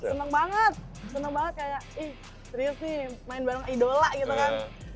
seneng banget seneng banget kayak ih serius nih main bareng idola gitu kan